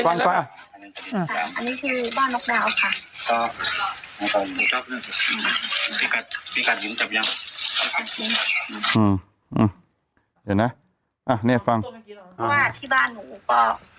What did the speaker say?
อ่านี้ครับอันนี้เป็นนพ่อนกดาวค่ะ